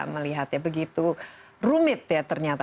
menjadi sangat simpang siur